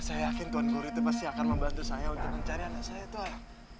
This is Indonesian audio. saya yakin tuhan guru pasti akan membantu saya untuk mencari anak saya tuhan